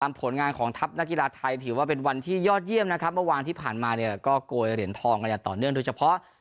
ผลงานของทัพนักกีฬาไทยถือว่าเป็นวันที่ยอดเยี่ยมนะครับเมื่อวานที่ผ่านมาเนี่ยก็โกยเหรียญทองกันอย่างต่อเนื่องโดยเฉพาะ